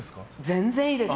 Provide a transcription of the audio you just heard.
全然いいです。